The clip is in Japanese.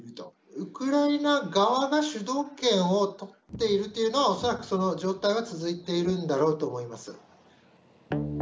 ウクライナ側が主導権を取っているというのは、恐らくその状態は続いているんだろうと思います。